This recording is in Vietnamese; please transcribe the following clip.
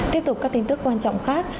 tiếp tục các tin tức quan trọng khác